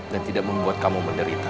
dan tidak membuat kamu menderita